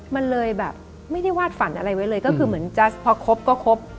มันเลยแบบไม่ได้วาดฝันอะไรไว้เลยก็คือเหมือนจะพอครบก็ครบ